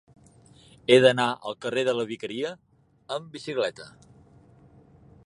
He d'anar al carrer de la Vicaria amb bicicleta.